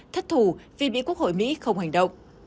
thất thủ vì mỹ quốc hội mỹ không hành động